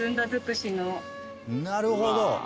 なるほど。